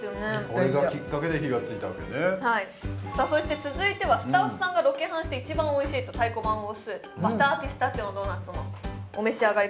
これがきっかけで火が付いたわけねはいさあそして続いてはスタッフさんがロケハンして一番おいしいと太鼓判を押すバターピスタチオのドーナツもお召し上がり